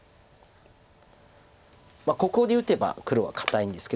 ここに打てば黒は堅いんですけど。